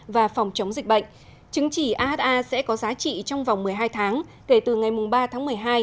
và phòng chống dịch bệnh chứng chỉ aha sẽ có giá trị trong vòng một mươi hai tháng kể từ ngày ba tháng một mươi hai